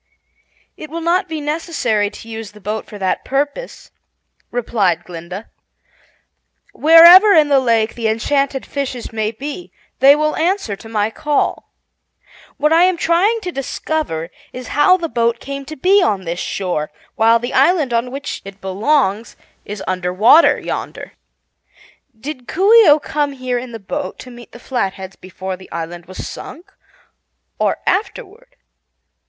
"It will not be necessary to use the boat for that purpose," replied Glinda. "Wherever in the lake the enchanted fishes may be, they will answer to my call. What I am trying to discover is how the boat came to be on this shore, while the island on which it belongs is under water yonder. Did Coo ee oh come here in the boat to meet the Flatheads before the island was sunk, or afterward?"